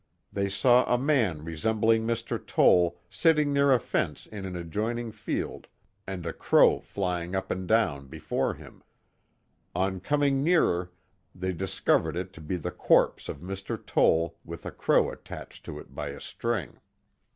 They saw a man resem bling Mr. Toll sitting near a fence in an adjoining field and a crow flying up and down before him. (^n coming nearer they discov ered it to be the corpse of Mr. Toll with a crow attached to it by a string.